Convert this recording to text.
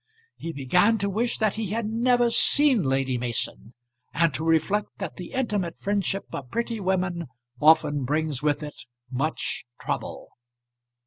He began to wish that he had never seen Lady Mason, and to reflect that the intimate friendship of pretty women often brings with it much trouble.